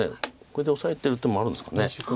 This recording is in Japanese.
これでオサえてる手もあるんですかね。